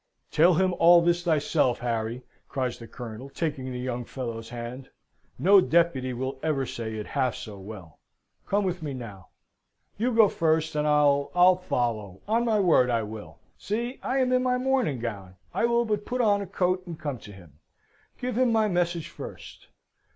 "Tell him all this thyself, Harry!" cries the Colonel, taking the young fellow's hand. "No deputy will ever say it half so well. Come with me now." "You go first, and I'll I'll follow, on my word I will. See! I am in my morning gown! I will but put on a coat and come to him. Give him my message first.